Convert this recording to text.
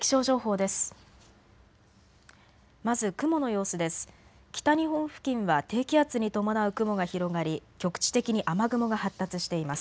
まず雲の様子です。